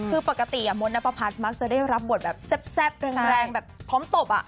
คือปกติมดนับประพัฒน์มักจะได้รับบทแบบแซ่บแรงแบบพร้อมตบ